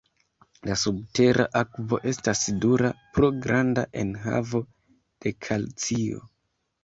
La subtera akvo estas dura pro granda enhavo de kalcio.